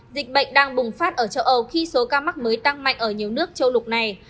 dịch bệnh đang bùng phát ở châu âu khi số ca mắc mới tăng mạnh ở nhiều nước châu lục này